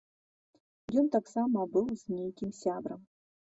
Ён таксама быў з нейкім сябрам.